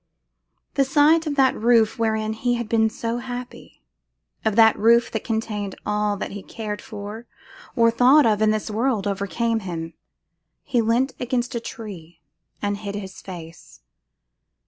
The sight of that roof wherein he had been so happy; of that roof that contained all that he cared for or thought of in this world, overcame him. He leant against a tree, and hid his face.